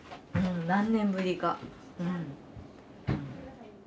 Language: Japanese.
何年ぶりか。